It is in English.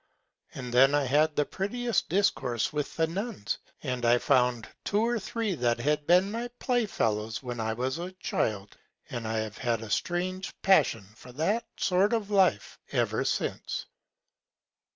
And then I had the prettiest Discourse with the Nuns. And I found two or three that had been my Play Fellows when I was a Child, and I have had a strange Passion for that Sort of Life ever since.